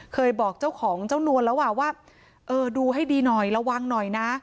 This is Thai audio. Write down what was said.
เคยบอกเจ้าของเจ้านวลแล้วอ่ะว่าเออดูให้ดีหน่อยระวังหน่อยนะ